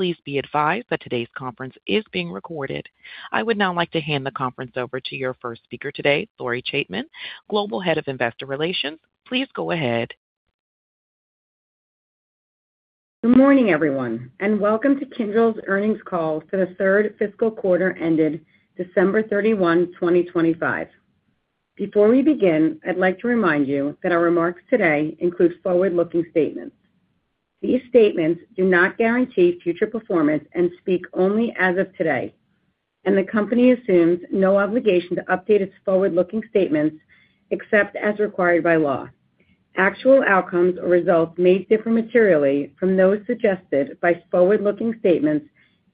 Please be advised that today's conference is being recorded. I would now like to hand the conference over to your first speaker today, Lori Chaitman, Global Head of Investor Relations. Please go ahead. Good morning, everyone, and welcome to Kyndryl's Earnings Call for the third fiscal quarter ended December 31, 2025. Before we begin, I'd like to remind you that our remarks today include forward-looking statements. These statements do not guarantee future performance and speak only as of today, and the company assumes no obligation to update its forward-looking statements except as required by law. Actual outcomes or results may differ materially from those suggested by forward-looking statements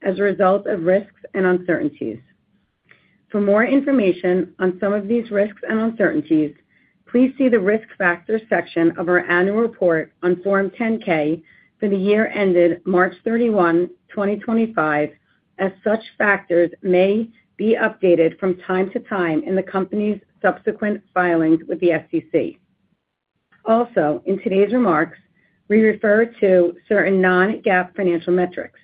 as a result of risks and uncertainties. For more information on some of these risks and uncertainties, please see the risk factors section of our annual report on Form 10-K for the year ended March 31, 2025, as such factors may be updated from time to time in the company's subsequent filings with the SEC. Also, in today's remarks, we refer to certain non-GAAP financial metrics.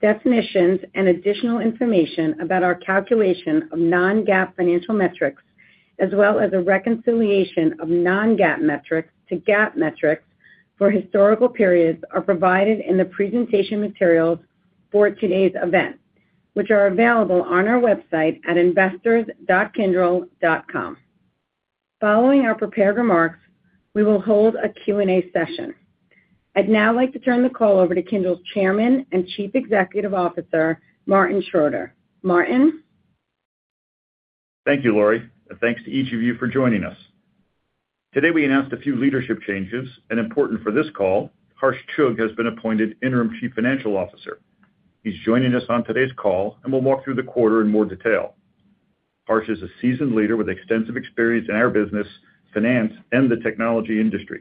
Definitions and additional information about our calculation of non-GAAP financial metrics, as well as a reconciliation of non-GAAP metrics to GAAP metrics for historical periods, are provided in the presentation materials for today's event, which are available on our website at investors.kyndryl.com. Following our prepared remarks, we will hold a Q&A session. I'd now like to turn the call over to Kyndryl's Chairman and Chief Executive Officer, Martin Schroeter. Martin? Thank you, Lori. Thanks to each of you for joining us. Today we announced a few leadership changes, and important for this call, Harsh Chugh has been appointed Interim Chief Financial Officer. He's joining us on today's call, and we'll walk through the quarter in more detail. Harsh is a seasoned leader with extensive experience in our business, finance, and the technology industry.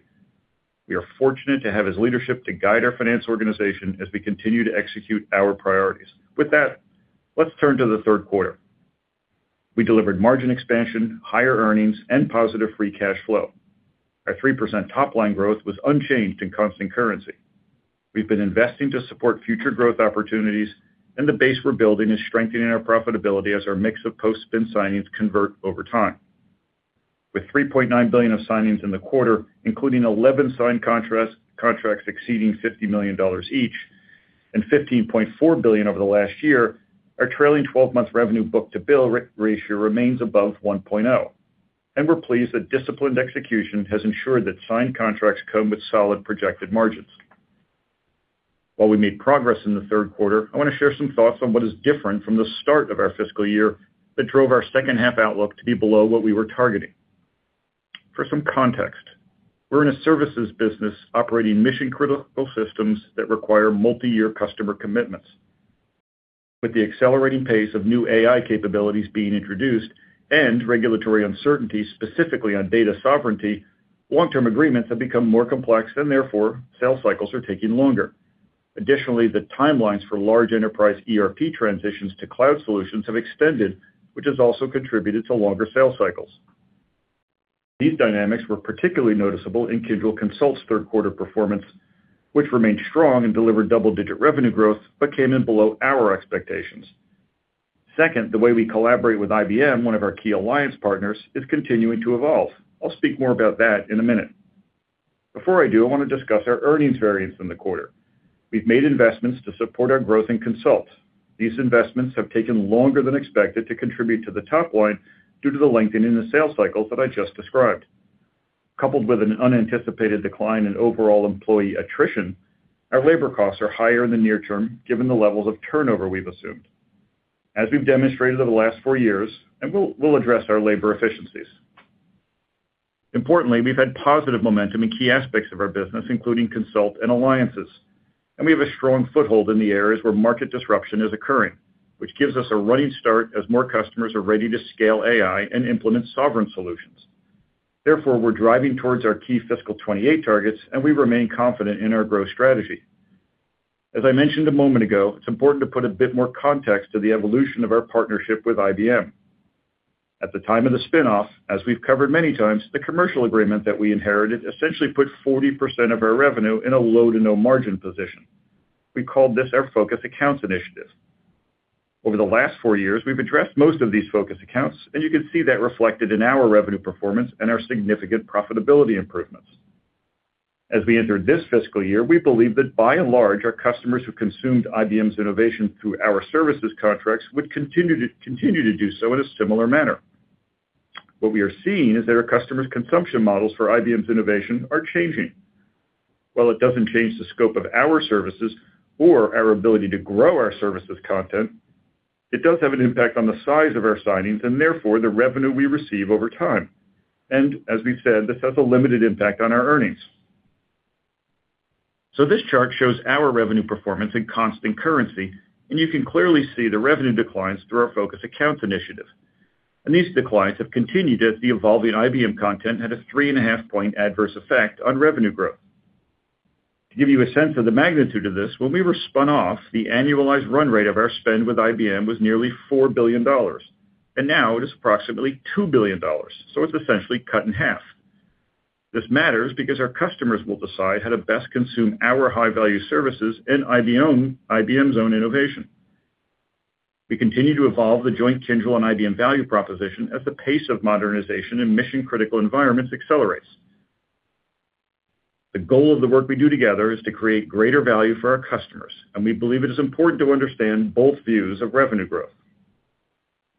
We are fortunate to have his leadership to guide our finance organization as we continue to execute our priorities. With that, let's turn to the third quarter. We delivered margin expansion, higher earnings, and positive free cash flow. Our 3% top-line growth was unchanged in constant currency. We've been investing to support future growth opportunities, and the base we're building is strengthening our profitability as our mix of post-spin signings convert over time. With $3.9 billion of signings in the quarter, including 11 signed contracts exceeding $50 million each and $15.4 billion over the last year, our trailing 12-month revenue book-to-bill ratio remains above 1.0x, and we're pleased that disciplined execution has ensured that signed contracts come with solid projected margins. While we made progress in the third quarter, I want to share some thoughts on what is different from the start of our fiscal year that drove our second-half outlook to be below what we were targeting. For some context, we're in a services business operating mission-critical systems that require multi-year customer commitments. With the accelerating pace of new AI capabilities being introduced and regulatory uncertainty specifically on data sovereignty, long-term agreements have become more complex and, therefore, sales cycles are taking longer. Additionally, the timelines for large enterprise ERP transitions to cloud solutions have extended, which has also contributed to longer sales cycles. These dynamics were particularly noticeable in Kyndryl Consult's third-quarter performance, which remained strong and delivered double-digit revenue growth but came in below our expectations. Second, the way we collaborate with IBM, one of our key alliance partners, is continuing to evolve. I'll speak more about that in a minute. Before I do, I want to discuss our earnings variance in the quarter. We've made investments to support our growth in Consult. These investments have taken longer than expected to contribute to the top line due to the lengthening of the sales cycles that I just described. Coupled with an unanticipated decline in overall employee attrition, our labor costs are higher in the near term given the levels of turnover we've assumed, as we've demonstrated over the last four years, and we'll address our labor efficiencies. Importantly, we've had positive momentum in key aspects of our business, including Consult and alliances, and we have a strong foothold in the areas where market disruption is occurring, which gives us a running start as more customers are ready to scale AI and implement sovereign solutions. Therefore, we're driving towards our key fiscal 2028 targets, and we remain confident in our growth strategy. As I mentioned a moment ago, it's important to put a bit more context to the evolution of our partnership with IBM. At the time of the spinoff, as we've covered many times, the commercial agreement that we inherited essentially put 40% of our revenue in a low-to-no-margin position. We called this our Focus Accounts initiative. Over the last four years, we've addressed most of these Focus Accounts, and you can see that reflected in our revenue performance and our significant profitability improvements. As we entered this fiscal year, we believe that, by and large, our customers who consumed IBM's innovation through our services contracts would continue to do so in a similar manner. What we are seeing is that our customers' consumption models for IBM's innovation are changing. While it doesn't change the scope of our services or our ability to grow our services content, it does have an impact on the size of our signings and, therefore, the revenue we receive over time. As we said, this has a limited impact on our earnings. This chart shows our revenue performance in constant currency, and you can clearly see the revenue declines through our Focus Accounts initiative. These declines have continued as the evolving IBM content had a 3.5-point adverse effect on revenue growth. To give you a sense of the magnitude of this, when we were spun off, the annualized run rate of our spend with IBM was nearly $4 billion, and now it is approximately $2 billion, so it's essentially cut in half. This matters because our customers will decide how to best consume our high-value services and IBM's own innovation. We continue to evolve the joint Kyndryl and IBM value proposition as the pace of modernization in mission-critical environments accelerates. The goal of the work we do together is to create greater value for our customers, and we believe it is important to understand both views of revenue growth.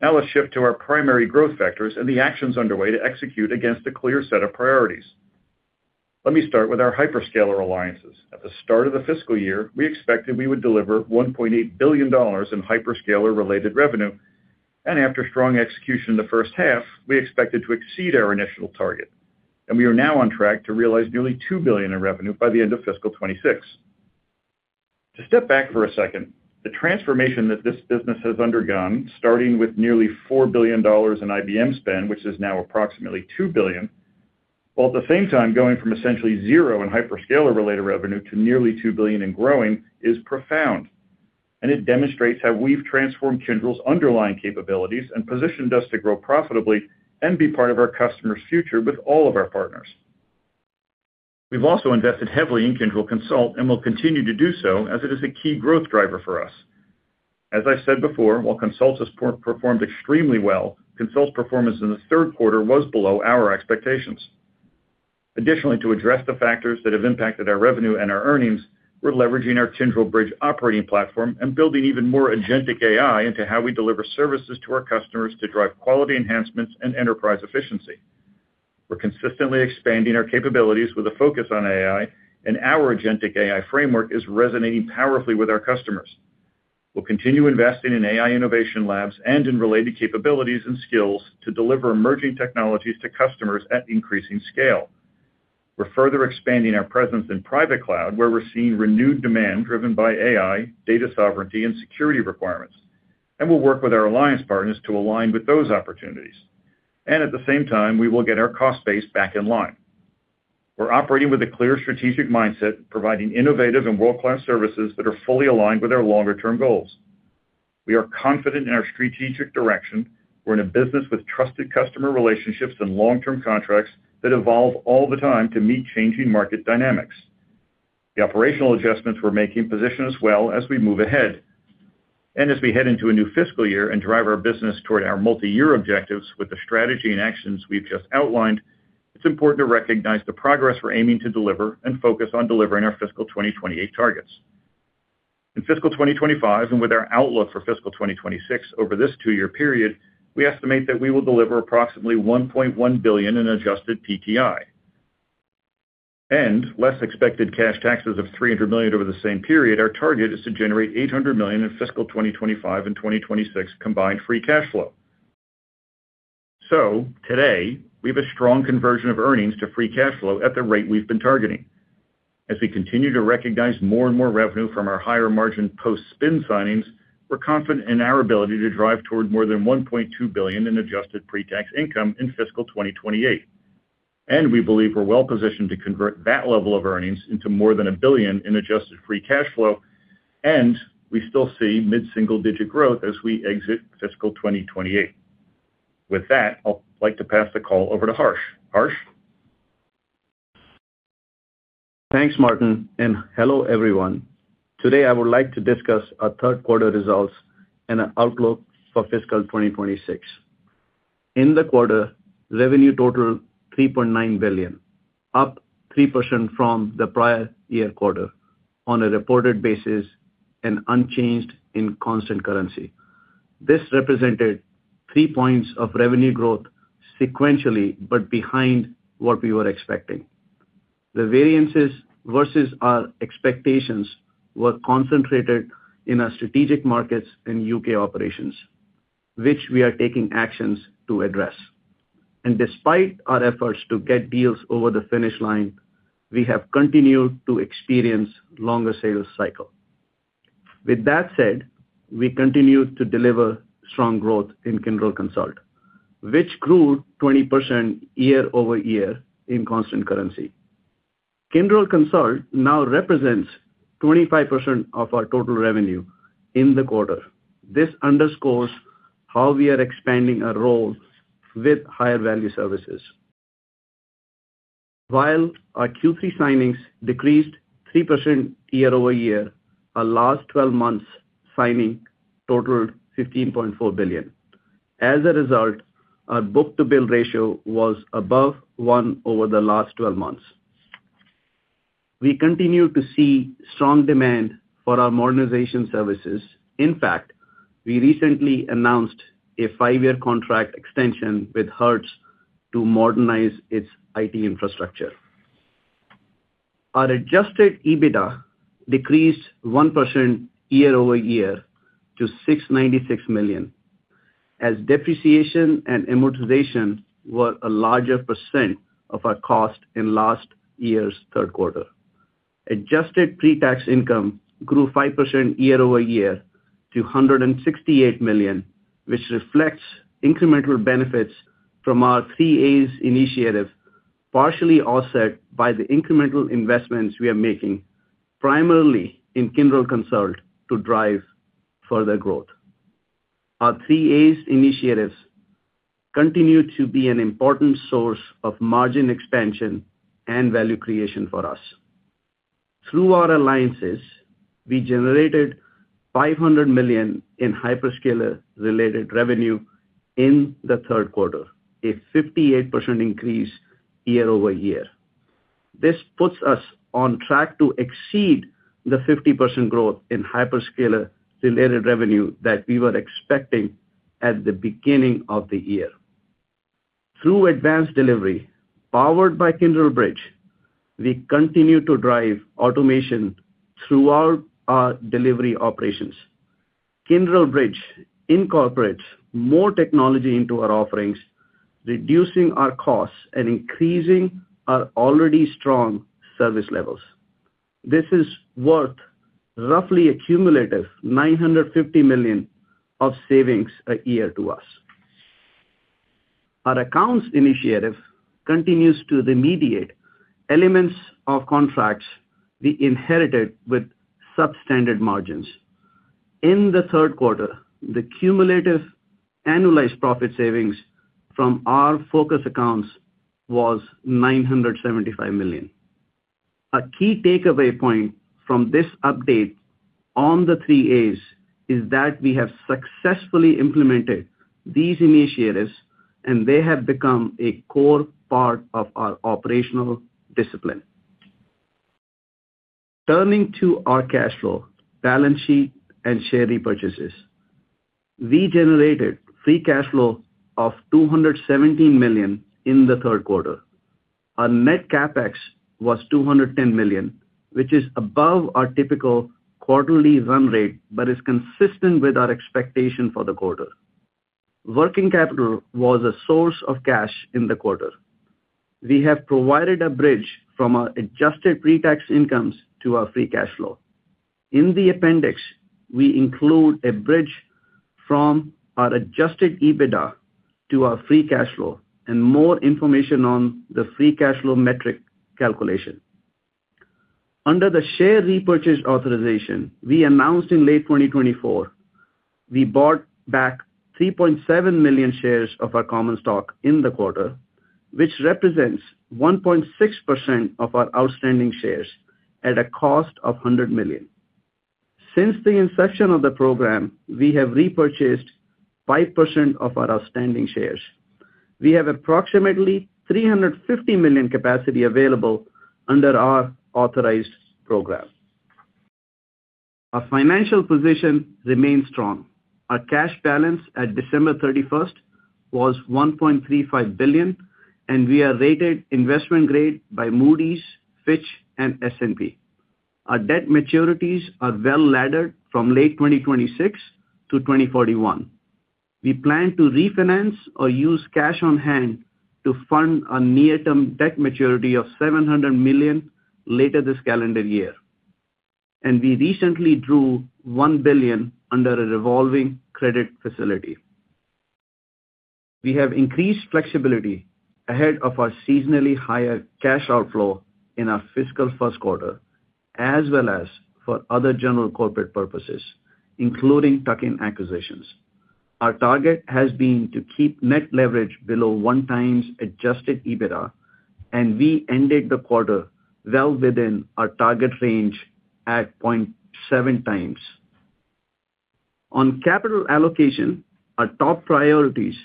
Now let's shift to our primary growth factors and the actions underway to execute against a clear set of priorities. Let me start with our hyperscaler alliances. At the start of the fiscal year, we expected we would deliver $1.8 billion in hyperscaler-related revenue, and after strong execution in the first half, we expected to exceed our initial target, and we are now on track to realize nearly $2 billion in revenue by the end of fiscal 2026. To step back for a second, the transformation that this business has undergone, starting with nearly $4 billion in IBM spend, which is now approximately $2 billion, while at the same time going from essentially zero in hyperscaler-related revenue to nearly $2 billion in growing, is profound, and it demonstrates how we've transformed Kyndryl's underlying capabilities and positioned us to grow profitably and be part of our customers' future with all of our partners. We've also invested heavily in Kyndryl Consult and will continue to do so as it is a key growth driver for us. As I've said before, while Consult has performed extremely well, Consult's performance in the third quarter was below our expectations. Additionally, to address the factors that have impacted our revenue and our earnings, we're leveraging our Kyndryl Bridge operating platform and building even more Agentic AI into how we deliver services to our customers to drive quality enhancements and enterprise efficiency. We're consistently expanding our capabilities with a focus on AI, and our Agentic AI Framework is resonating powerfully with our customers. We'll continue investing in AI innovation labs and in related capabilities and skills to deliver emerging technologies to customers at increasing scale. We're further expanding our presence in private cloud, where we're seeing renewed demand driven by AI, data sovereignty, and security requirements, and we'll work with our alliance partners to align with those opportunities. At the same time, we will get our cost base back in line. We're operating with a clear strategic mindset, providing innovative and world-class services that are fully aligned with our longer-term goals. We are confident in our strategic direction. We're in a business with trusted customer relationships and long-term contracts that evolve all the time to meet changing market dynamics. The operational adjustments we're making position as well as we move ahead. As we head into a new fiscal year and drive our business toward our multi-year objectives with the strategy and actions we've just outlined, it's important to recognize the progress we're aiming to deliver and focus on delivering our fiscal 2028 targets. In fiscal 2025 and with our outlook for fiscal 2026 over this two-year period, we estimate that we will deliver approximately $1.1 billion in Adjusted PTI. And less expected cash taxes of $300 million over the same period, our target is to generate $800 million in fiscal 2025 and 2026 combined free cash flow. So today, we have a strong conversion of earnings to free cash flow at the rate we've been targeting. As we continue to recognize more and more revenue from our higher-margin post-spin signings, we're confident in our ability to drive toward more than $1.2 billion in adjusted pre-tax income in fiscal 2028. And we believe we're well-positioned to convert that level of earnings into more than $1 billion in adjusted free cash flow, and we still see mid-single-digit growth as we exit fiscal 2028. With that, I'd like to pass the call over to Harsh. Harsh? Thanks, Martin, and hello, everyone. Today, I would like to discuss our third-quarter results and an outlook for fiscal 2026. In the quarter, revenue total $3.9 billion, up 3% from the prior year quarter on a reported basis and unchanged in constant currency. This represented three points of revenue growth sequentially but behind what we were expecting. The variances versus our expectations were concentrated in our Strategic Markets and UK operations, which we are taking actions to address. Despite our efforts to get deals over the finish line, we have continued to experience longer sales cycles. With that said, we continue to deliver strong growth in Kyndryl Consult, which grew 20% year-over-year in constant currency. Kyndryl Consult now represents 25% of our total revenue in the quarter. This underscores how we are expanding our role with higher-value services. While our Q3 signings decreased 3% year-over-year, our last 12 months' signings totaled $15.4 billion. As a result, our book-to-bill ratio was above one over the last 12 months. We continue to see strong demand for our modernization services. In fact, we recently announced a 5-year contract extension with Hertz to modernize its IT infrastructure. Our Adjusted EBITDA decreased 1% year-over-year to $696 million, as depreciation and amortization were a larger percent of our cost in last year's third quarter. Adjusted Pre-Tax Income grew 5% year-over-year to $168 million, which reflects incremental benefits from our 3A's initiative, partially offset by the incremental investments we are making, primarily in Kyndryl Consult, to drive further growth. Our 3A's initiatives continue to be an important source of margin expansion and value creation for us. Through our alliances, we generated $500 million in hyperscaler-related revenue in the third quarter, a 58% increase year-over-year. This puts us on track to exceed the 50% growth in hyperscaler-related revenue that we were expecting at the beginning of the year. Through Advanced Delivery powered by Kyndryl Bridge, we continue to drive automation throughout our delivery operations. Kyndryl Bridge incorporates more technology into our offerings, reducing our costs and increasing our already strong service levels. This is worth roughly accumulative $950 million of savings a year to us. Our Accounts initiative continues to remediate elements of contracts we inherited with substandard margins. In the third quarter, the cumulative annualized profit savings from our Focus Accounts was $975 million. A key takeaway point from this update on the 3A's is that we have successfully implemented these initiatives, and they have become a core part of our operational discipline. Turning to our cash flow, balance sheet, and share repurchases, we generated free cash flow of $217 million in the third quarter. Our net CapEx was $210 million, which is above our typical quarterly run rate but is consistent with our expectation for the quarter. Working capital was a source of cash in the quarter. We have provided a bridge from our Adjusted Pre-Tax Income to our free cash flow. In the appendix, we include a bridge from our Adjusted EBITDA to our free cash flow and more information on the free cash flow metric calculation. Under the share repurchase authorization we announced in late 2024, we bought back 3.7 million shares of our common stock in the quarter, which represents 1.6% of our outstanding shares at a cost of $100 million. Since the inception of the program, we have repurchased 5% of our outstanding shares. We have approximately $350 million capacity available under our authorized program. Our financial position remains strong. Our cash balance at December 31st was $1.35 billion, and we are rated investment grade by Moody's, Fitch, and S&P. Our debt maturities are well laddered from late 2026 to 2041. We plan to refinance or use cash on hand to fund a near-term debt maturity of $700 million later this calendar year. We recently drew $1 billion under a revolving credit facility. We have increased flexibility ahead of our seasonally higher cash outflow in our fiscal first quarter as well as for other general corporate purposes, including tuck-in acquisitions. Our target has been to keep net leverage below 1x Adjusted EBITDA, and we ended the quarter well within our target range at 0.7x. On capital allocation, our top priorities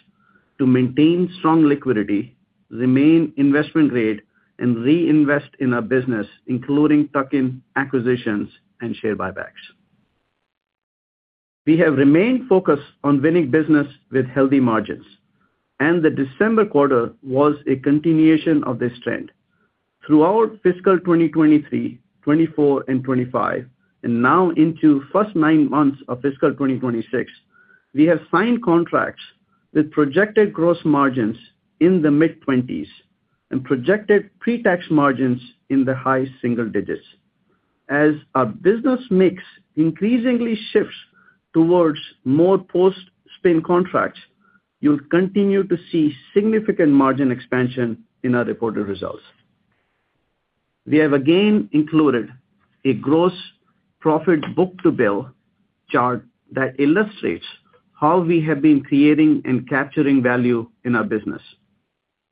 to maintain strong liquidity remain investment grade and reinvest in our business, including tuck-in acquisitions and share buybacks. We have remained focused on winning business with healthy margins, and the December quarter was a continuation of this trend. Throughout fiscal 2023, 2024, and 2025, and now into first nine months of fiscal 2026, we have signed contracts with projected gross margins in the mid-20s and projected pre-tax margins in the high single digits. As our business mix increasingly shifts towards more post-spin contracts, you'll continue to see significant margin expansion in our reported results. We have again included a gross profit book-to-bill chart that illustrates how we have been creating and capturing value in our business.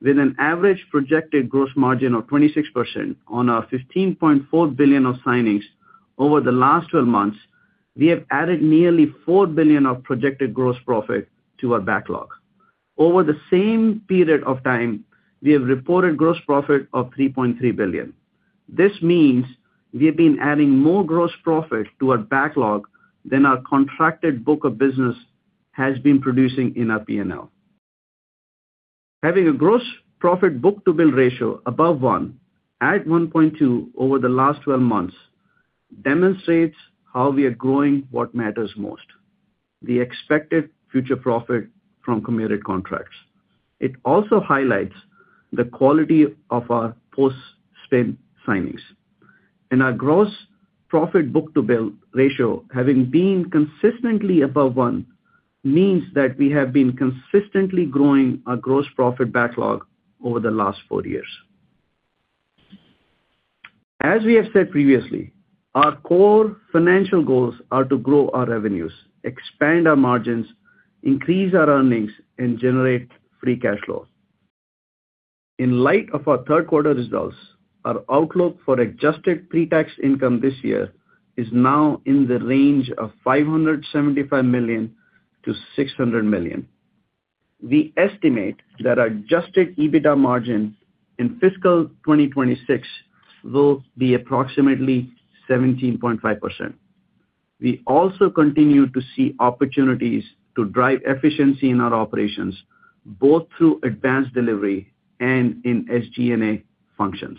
With an average projected gross margin of 26% on our $15.4 billion of signings over the last 12 months, we have added nearly $4 billion of projected gross profit to our backlog. Over the same period of time, we have reported gross profit of $3.3 billion. This means we have been adding more gross profit to our backlog than our contracted book of business has been producing in our P&L. Having a gross profit book-to-bill ratio above 1x at 1.2x over the last 12 months demonstrates how we are growing what matters most: the expected future profit from committed contracts. It also highlights the quality of our post-spin signings. Our gross profit book-to-bill ratio, having been consistently above 1x, means that we have been consistently growing our gross profit backlog over the last four years. As we have said previously, our core financial goals are to grow our revenues, expand our margins, increase our earnings, and generate free cash flow. In light of our third quarter results, our outlook for Adjusted Pre-Tax Income this year is now in the range of $575 million-$600 million. We estimate that our Adjusted EBITDA margin in fiscal 2026 will be approximately 17.5%. We also continue to see opportunities to drive efficiency in our operations, both through Advanced Delivery and in SG&A functions.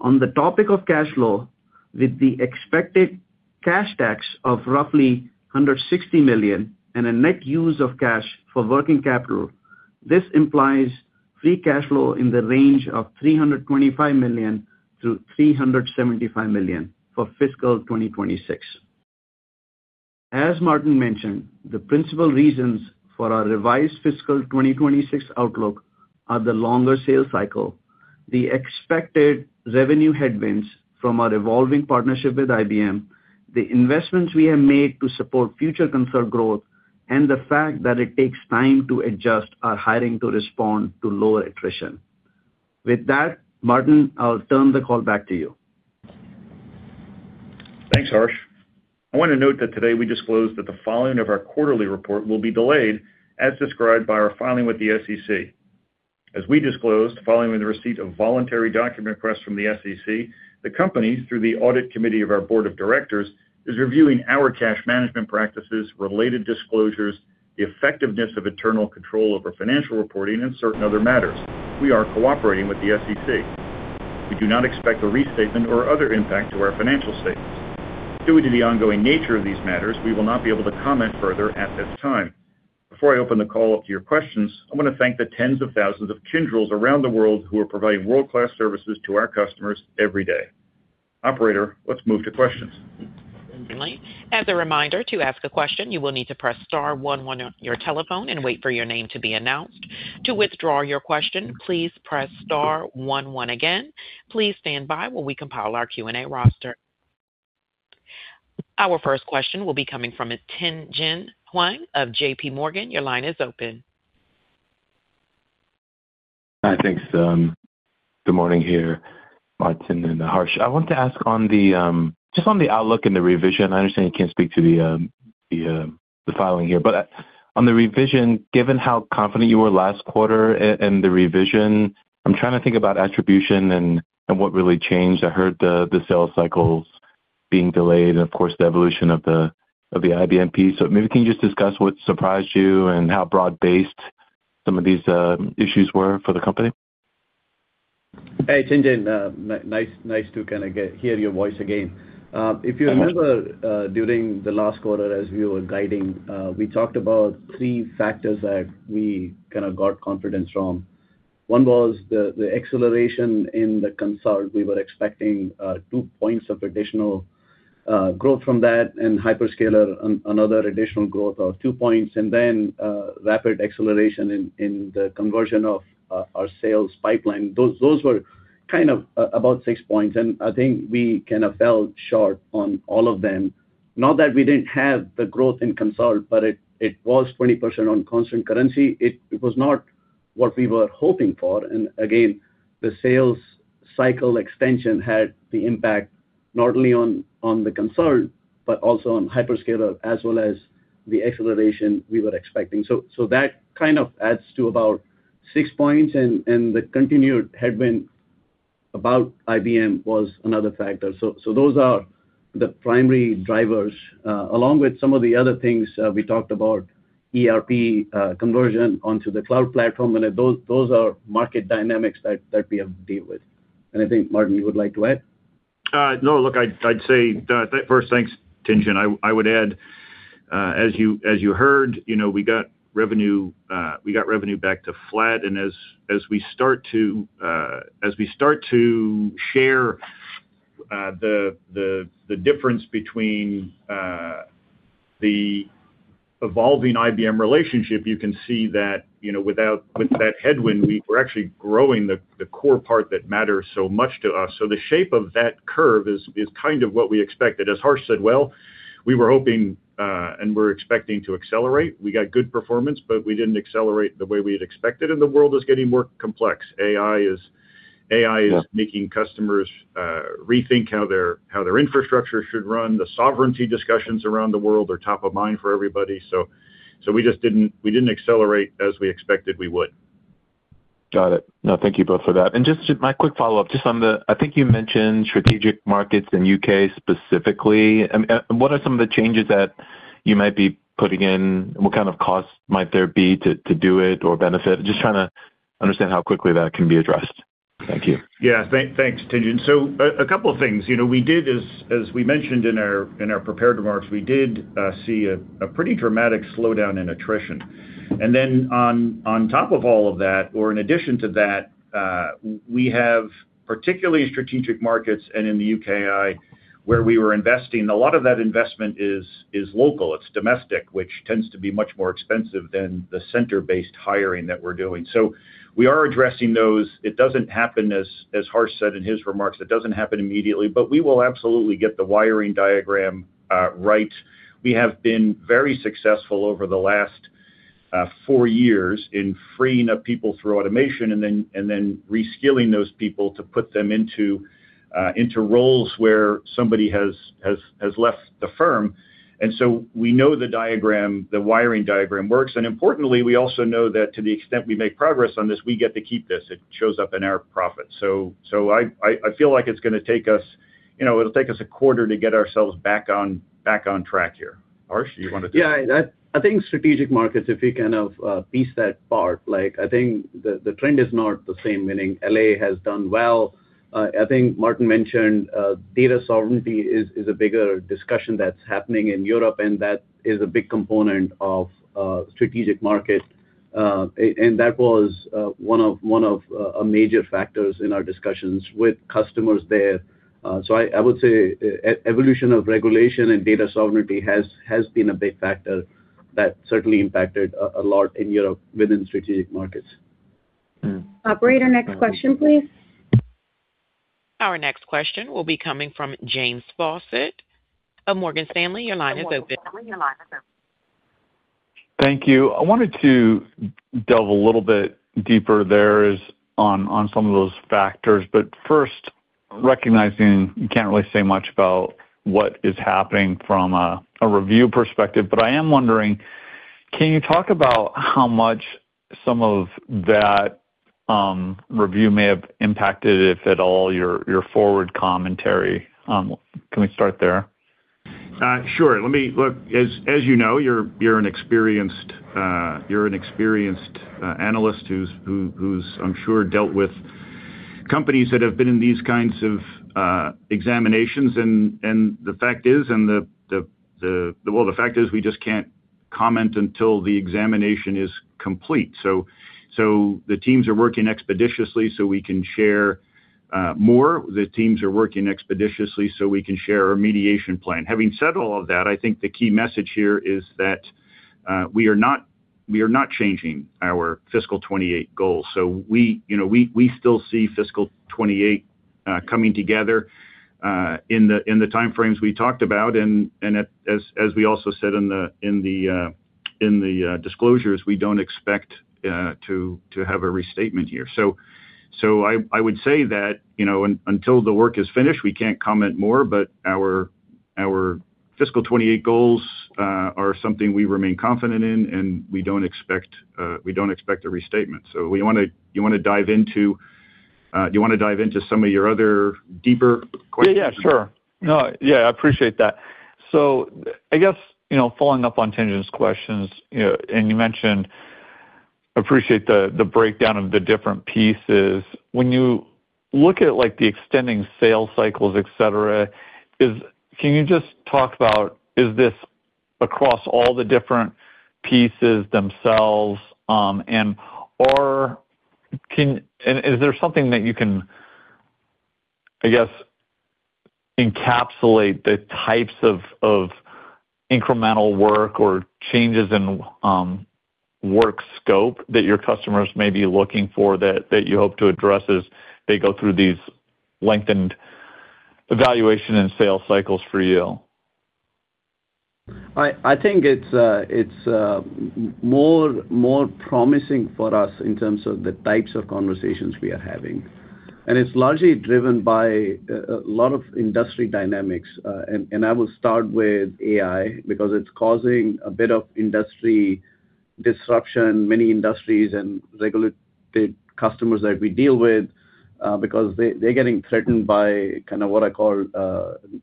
On the topic of cash flow, with the expected cash tax of roughly $160 million and a net use of cash for working capital, this implies free cash flow in the range of $325 million-$375 million for fiscal 2026. As Martin mentioned, the principal reasons for our revised Fiscal 2026 outlook are the longer sales cycle, the expected revenue headwinds from our evolving partnership with IBM, the investments we have made to support future Consult growth, and the fact that it takes time to adjust our hiring to respond to lower attrition. With that, Martin, I'll turn the call back to you. Thanks, Harsh. I want to note that today we disclosed that the filing of our quarterly report will be delayed as described by our filing with the SEC. As we disclosed, following the receipt of voluntary document requests from the SEC, the company, through the audit committee of our board of directors, is reviewing our cash management practices, related disclosures, the effectiveness of internal control over financial reporting, and certain other matters. We are cooperating with the SEC. We do not expect a restatement or other impact to our financial statements. Due to the ongoing nature of these matters, we will not be able to comment further at this time. Before I open the call up to your questions, I want to thank the tens of thousands of Kyndryls around the world who are providing world-class services to our customers every day. Operator, let's move to questions. As a reminder, to ask a question, you will need to press star one one on your telephone and wait for your name to be announced. To withdraw your question, please press star 11 again. Please stand by while we compile our Q&A roster. Our first question will be coming from Tien-tsin Huang of J.P. Morgan. Your line is open. Hi. Thanks. Good morning, Martin and Harsh. I want to ask just on the outlook and the revision. I understand you can't speak to the filing here. But on the revision, given how confident you were last quarter in the revision, I'm trying to think about attribution and what really changed. I heard the sales cycles being delayed and, of course, the evolution of the IBM piece. So maybe can you just discuss what surprised you and how broad-based some of these issues were for the company? Hey, Tien-tsin. Nice to kind of hear your voice again. If you remember, during the last quarter, as we were guiding, we talked about three factors that we kind of got confidence from. One was the acceleration in the Consult. We were expecting two points of additional growth from that, and hyperscaler, another additional growth of two points, and then rapid acceleration in the conversion of our sales pipeline. Those were kind of about six points. And I think we kind of fell short on all of them. Not that we didn't have the growth in Consult, but it was 20% on constant currency. It was not what we were hoping for. And again, the sales cycle extension had the impact not only on the Consult but also on hyperscaler as well as the acceleration we were expecting. So that kind of adds to about 6 points, and the continued headwind about IBM was another factor. So those are the primary drivers, along with some of the other things we talked about: ERP conversion onto the cloud platform. And those are market dynamics that we have to deal with. And I think, Martin, you would like to add? No, look, I'd say first, thanks, Tien-tsin. I would add, as you heard, we got revenue back to flat. And as we start to share the difference between the evolving IBM relationship, you can see that without that headwind, we're actually growing the core part that matters so much to us. So the shape of that curve is kind of what we expected. As Harsh said, well, we were hoping and we're expecting to accelerate. We got good performance, but we didn't accelerate the way we had expected. And the world is getting more complex. AI is making customers rethink how their infrastructure should run. The sovereignty discussions around the world are top of mind for everybody. So we just didn't accelerate as we expected we would. Got it. No, thank you both for that. And just my quick follow-up, just on the, I think you mentioned, Strategic Markets in UK specifically. What are some of the changes that you might be putting in? What kind of cost might there be to do it, or benefit? Just trying to understand how quickly that can be addressed. Thank you. Yeah, thanks, Tien-tsin. So a couple of things. As we mentioned in our prepared remarks, we did see a pretty dramatic slowdown in attrition. And then on top of all of that, or in addition to that, we have particularly Strategic Markets and in the UKI where we were investing, a lot of that investment is local. It's domestic, which tends to be much more expensive than the center-based hiring that we're doing. So we are addressing those. It doesn't happen, as Harsh Chugh said in his remarks, it doesn't happen immediately, but we will absolutely get the wiring diagram right. We have been very successful over the last four years in freeing up people through automation and then reskilling those people to put them into roles where somebody has left the firm. And so we know the wiring diagram works. And importantly, we also know that to the extent we make progress on this, we get to keep this. It shows up in our profits. So I feel like it'll take us a quarter to get ourselves back on track here. Harsh, do you want to take? Yeah. I think Strategic Markets, if we kind of piece that part, I think the trend is not the same, meaning LA has done well. I think Martin mentioned data sovereignty is a bigger discussion that's happening in Europe, and that is a big component of strategic market. And that was one of a major factors in our discussions with customers there. So I would say evolution of regulation and data sovereignty has been a big factor that certainly impacted a lot in Europe within Strategic Markets. Operator, next question, please. Our next question will be coming from James Faucette of Morgan Stanley. Your line is open. Thank you. I wanted to delve a little bit deeper there on some of those factors, but first, recognizing you can't really say much about what is happening from a review perspective. But I am wondering, can you talk about how much some of that review may have impacted, if at all, your forward commentary? Can we start there? Sure. Look, as you know, you're an experienced analyst who's, I'm sure, dealt with companies that have been in these kinds of examinations. And the fact is we just can't comment until the examination is complete. So the teams are working expeditiously so we can share more. The teams are working expeditiously so we can share our remediation plan. Having said all of that, I think the key message here is that we are not changing our fiscal 2028 goals. So we still see fiscal 2028 coming together in the timeframes we talked about. And as we also said in the disclosures, we don't expect to have a restatement here. So I would say that until the work is finished, we can't comment more. But our fiscal 2028 goals are something we remain confident in, and we don't expect a restatement. So do you want to dive into some of your other deeper questions? Yeah, yeah, sure. No, yeah, I appreciate that. So, I guess, following up on Tien-tsin's questions, and you mentioned—I appreciate the breakdown of the different pieces. When you look at the extending sales cycles, etc., can you just talk about is this across all the different pieces themselves? And is there something that you can, I guess, encapsulate the types of incremental work or changes in work scope that your customers may be looking for that you hope to address as they go through these lengthened evaluation and sales cycles for you? I think it's more promising for us in terms of the types of conversations we are having. It's largely driven by a lot of industry dynamics. I will start with AI because it's causing a bit of industry disruption, many industries and regulated customers that we deal with because they're getting threatened by kind of what I call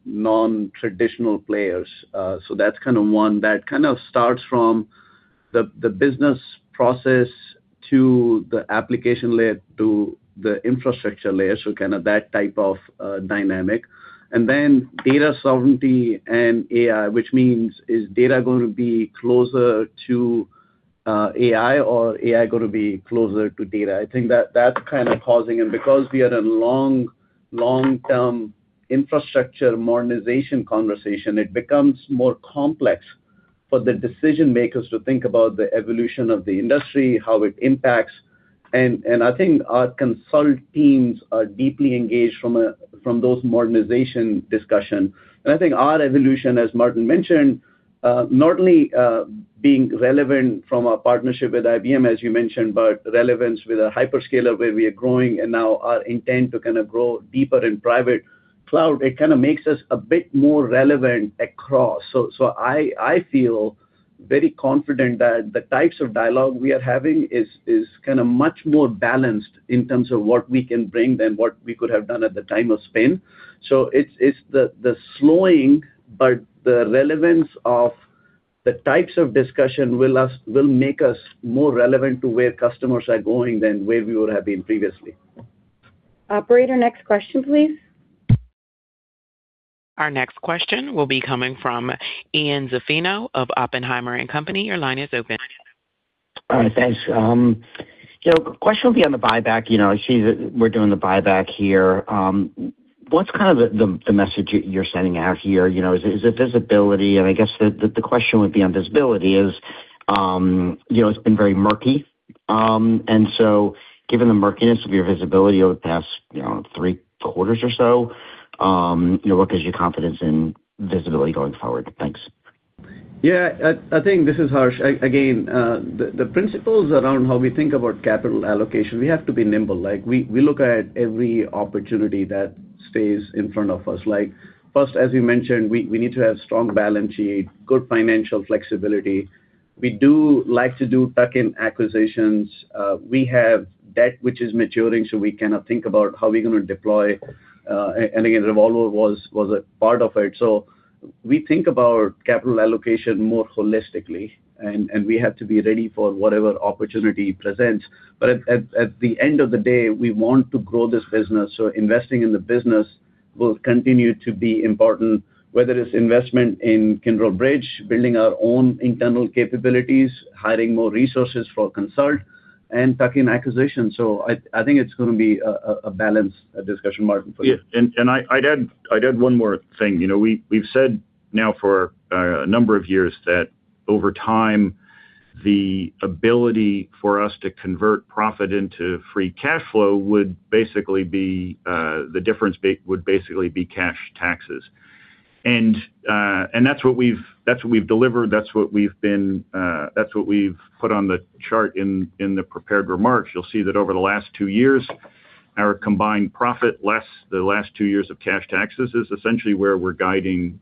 non-traditional players. So that's kind of one. That kind of starts from the business process to the application layer to the infrastructure layer. So kind of that type of dynamic. And then data sovereignty and AI, which means, is data going to be closer to AI or AI going to be closer to data? I think that's kind of causing and because we are in a long-term infrastructure modernization conversation, it becomes more complex for the decision-makers to think about the evolution of the industry, how it impacts. I think our Consult teams are deeply engaged from those modernization discussions. I think our evolution, as Martin mentioned, not only being relevant from our partnership with IBM, as you mentioned, but relevance with a hyperscaler where we are growing and now our intent to kind of grow deeper in private cloud, it kind of makes us a bit more relevant across. I feel very confident that the types of dialogue we are having is kind of much more balanced in terms of what we can bring than what we could have done at the time of spin. It's the slowing, but the relevance of the types of discussion will make us more relevant to where customers are going than where we would have been previously. Operator, next question, please. Our next question will be coming from Ian Zaffino of Oppenheimer & Co. Your line is open. All right. Thanks. Question would be on the buyback. We're doing the buyback here. What's kind of the message you're sending out here? Is it visibility? And I guess the question would be on visibility: it's been very murky. And so given the murkiness of your visibility over the past three quarters or so, what gives you confidence in visibility going forward? Thanks. Yeah, I think this is Harsh. Again, the principles around how we think about capital allocation, we have to be nimble. We look at every opportunity that stays in front of us. First, as you mentioned, we need to have strong balance sheet, good financial flexibility. We do like to do tuck-in acquisitions. We have debt which is maturing, so we kind of think about how we're going to deploy. And again, revolver was a part of it. So we think about capital allocation more holistically, and we have to be ready for whatever opportunity presents. But at the end of the day, we want to grow this business. So investing in the business will continue to be important, whether it's investment in Kyndryl Bridge, building our own internal capabilities, hiring more resources for Consult, and tuck-in acquisitions. I think it's going to be a balanced discussion, Martin, for you. Yeah. And I'd add one more thing. We've said now for a number of years that over time, the ability for us to convert profit into free cash flow would basically be the difference would basically be cash taxes. And that's what we've delivered. That's what we've been that's what we've put on the chart in the prepared remarks. You'll see that over the last two years, our combined profit less the last two years of cash taxes is essentially where we're guiding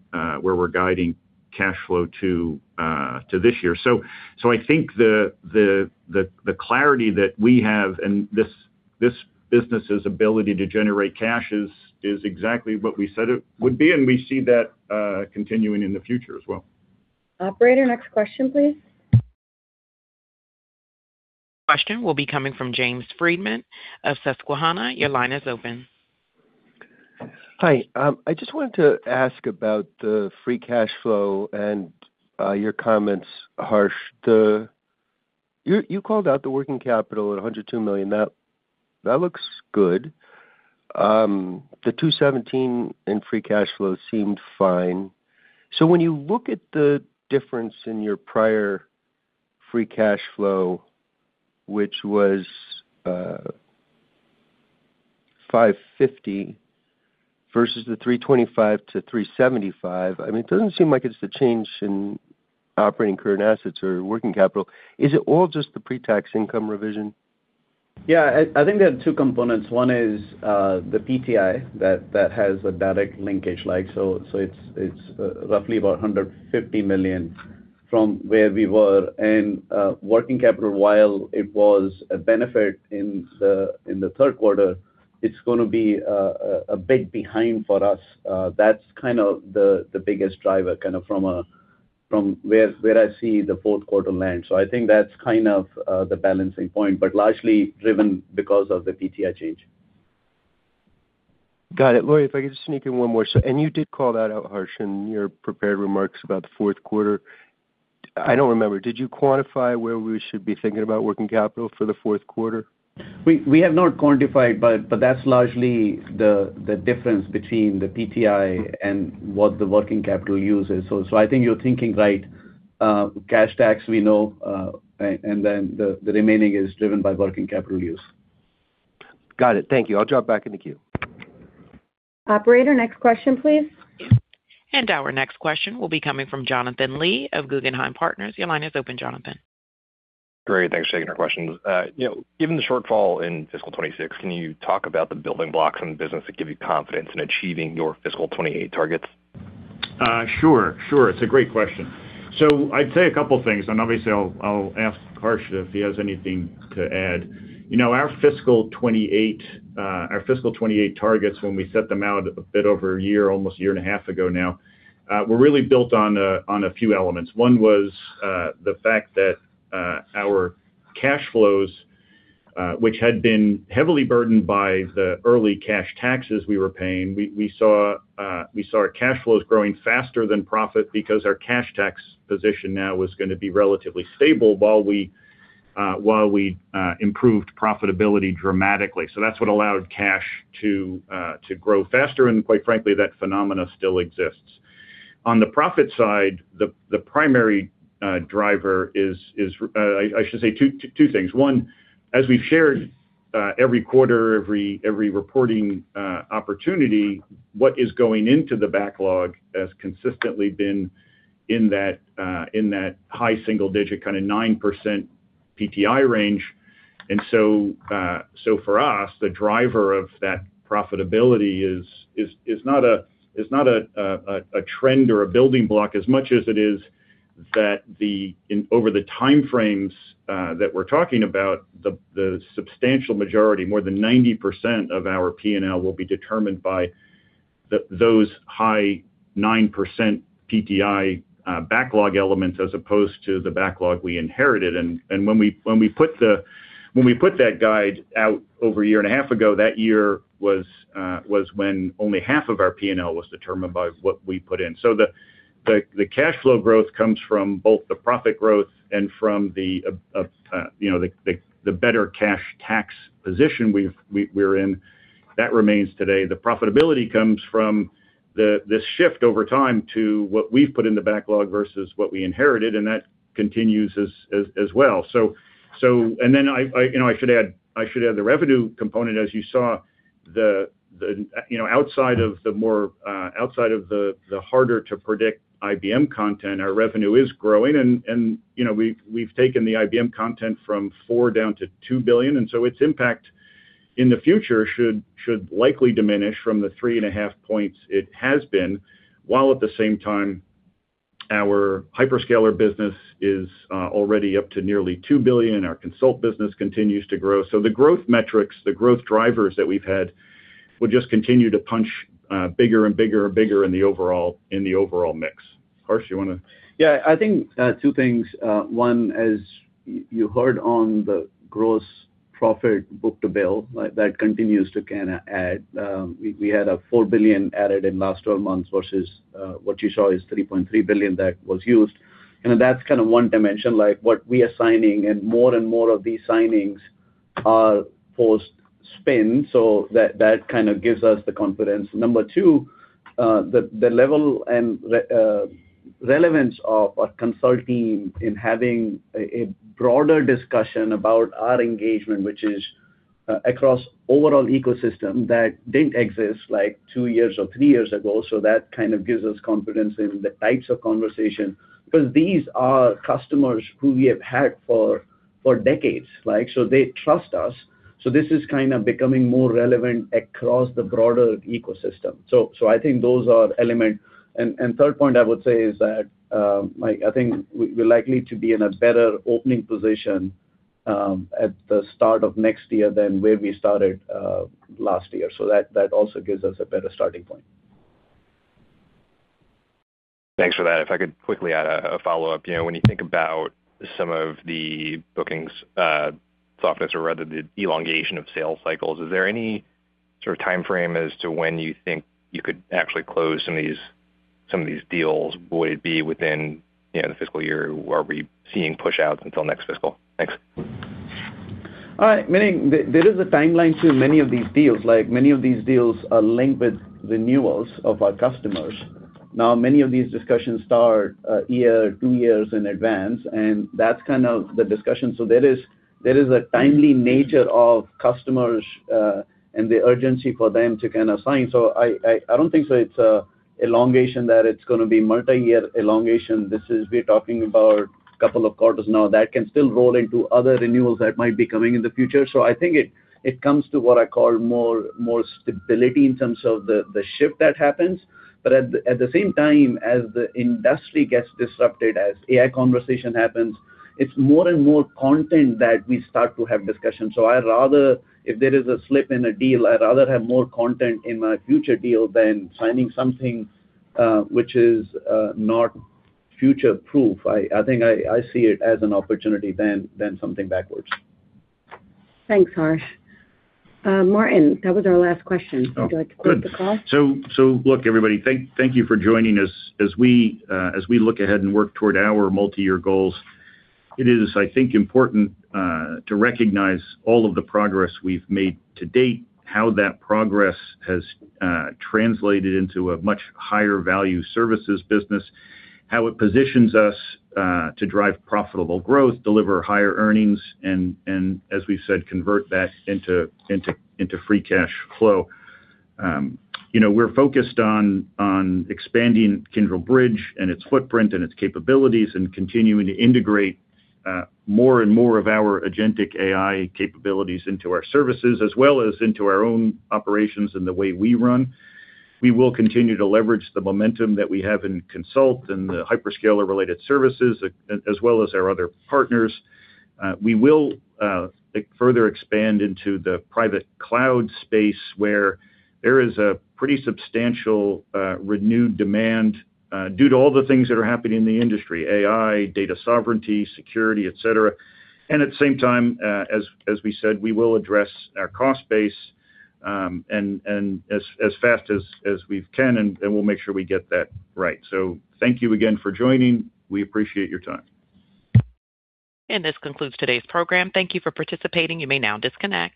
cash flow to this year. So I think the clarity that we have and this business's ability to generate cash is exactly what we said it would be. And we see that continuing in the future as well. Operator, next question, please. Question will be coming from James Friedman of Susquehanna. Your line is open. Hi. I just wanted to ask about the free cash flow and your comments, Harsh. You called out the working capital at $102 million. That looks good. The $217 million in free cash flow seemed fine. So when you look at the difference in your prior free cash flow, which was $550 million versus the $325 million-$375 million, I mean, it doesn't seem like it's the change in operating current assets or working capital. Is it all just the pre-tax income revision? Yeah, I think there are two components. One is the PTI that has a direct linkage. So it's roughly about $150 million from where we were. And working capital, while it was a benefit in the third quarter, it's going to be a bit behind for us. That's kind of the biggest driver kind of from where I see the fourth quarter land. So I think that's kind of the balancing point, but largely driven because of the PTI change. Got it. Lori, if I could just sneak in one more. You did call that out, Harsh, in your prepared remarks about the fourth quarter. I don't remember. Did you quantify where we should be thinking about working capital for the fourth quarter? We have not quantified, but that's largely the difference between the PTI and what the working capital use is. So I think you're thinking right. Cash tax, we know. And then the remaining is driven by working capital use. Got it. Thank you. I'll drop back in the queue. Operator, next question, please. Our next question will be coming from Jonathan Lee of Guggenheim Partners. Your line is open, Jonathan. Great. Thanks for taking our questions. Given the shortfall in fiscal 2026, can you talk about the building blocks in the business that give you confidence in achieving your fiscal 2028 targets? Sure, sure. It's a great question. So I'd say a couple of things. And obviously, I'll ask Harsh if he has anything to add. Our fiscal 2028 targets, when we set them out a bit over a year, almost a year and a half ago now, were really built on a few elements. One was the fact that our cash flows, which had been heavily burdened by the early cash taxes we were paying, we saw our cash flows growing faster than profit because our cash tax position now was going to be relatively stable while we improved profitability dramatically. So that's what allowed cash to grow faster. And quite frankly, that phenomenon still exists. On the profit side, the primary driver is, I should say, two things. One, as we've shared every quarter, every reporting opportunity, what is going into the backlog has consistently been in that high single-digit, kind of 9% PTI range. And so for us, the driver of that profitability is not a trend or a building block as much as it is that over the timeframes that we're talking about, the substantial majority, more than 90% of our P&L will be determined by those high 9% PTI backlog elements as opposed to the backlog we inherited. And when we put that guide out over a year and a half ago, that year was when only half of our P&L was determined by what we put in. So the cash flow growth comes from both the profit growth and from the better cash tax position we're in. That remains today. The profitability comes from this shift over time to what we've put in the backlog versus what we inherited. That continues as well. Then I should add the revenue component. As you saw, outside of the more outside of the harder-to-predict IBM content, our revenue is growing. We've taken the IBM content from $4 billion down to $2 billion. So its impact in the future should likely diminish from the 3.5 points it has been while at the same time, our hyperscaler business is already up to nearly $2 billion. Our Consult business continues to grow. So the growth metrics, the growth drivers that we've had will just continue to punch bigger and bigger and bigger in the overall mix. Harsh, you want to? Yeah, I think two things. One, as you heard on the gross profit book-to-bill, that continues to kind of add. We had $4 billion added in last 12 months versus what you saw is $3.3 billion that was used. And that's kind of one dimension. What we are signing and more and more of these signings are post-spin. So that kind of gives us the confidence. Number two, the level and relevance of our Consult team in having a broader discussion about our engagement, which is across overall ecosystem that didn't exist two years or three years ago. So that kind of gives us confidence in the types of conversation because these are customers who we have had for decades. So they trust us. So this is kind of becoming more relevant across the broader ecosystem. So I think those are elements. And third point, I would say is that I think we're likely to be in a better opening position at the start of next year than where we started last year. So that also gives us a better starting point. Thanks for that. If I could quickly add a follow-up. When you think about some of the bookings softness or rather the elongation of sales cycles, is there any sort of timeframe as to when you think you could actually close some of these deals? Would it be within the fiscal year? Are we seeing push-outs until next fiscal? Thanks. All right. There is a timeline to many of these deals. Many of these deals are linked with renewals of our customers. Now, many of these discussions start a year, two years in advance. And that's kind of the discussion. So there is a timely nature of customers and the urgency for them to kind of sign. So I don't think so it's an elongation that it's going to be multi-year elongation. We're talking about a couple of quarters now. That can still roll into other renewals that might be coming in the future. So I think it comes to what I call more stability in terms of the shift that happens. But at the same time, as the industry gets disrupted, as AI conversation happens, it's more and more content that we start to have discussions. If there is a slip in a deal, I'd rather have more content in my future deal than signing something which is not future-proof. I think I see it as an opportunity than something backwards. Thanks, Harsh. Martin, that was our last question. Would you like to close the call? Good. So look, everybody, thank you for joining us. As we look ahead and work toward our multi-year goals, it is, I think, important to recognize all of the progress we've made to date, how that progress has translated into a much higher-value services business, how it positions us to drive profitable growth, deliver higher earnings, and, as we've said, convert that into free cash flow. We're focused on expanding Kyndryl Bridge and its footprint and its capabilities and continuing to integrate more and more of our Agentic AI capabilities into our services as well as into our own operations and the way we run. We will continue to leverage the momentum that we have in Consult and the hyperscaler-related services as well as our other partners. We will further expand into the private cloud space where there is a pretty substantial renewed demand due to all the things that are happening in the industry: AI, data sovereignty, security, etc. At the same time, as we said, we will address our cost base as fast as we can, and we'll make sure we get that right. Thank you again for joining. We appreciate your time. This concludes today's program. Thank you for participating. You may now disconnect.